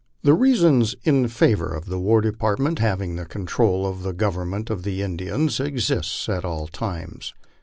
The reasons in favor of the War Department having the control of tho government of the Indians exist at all times.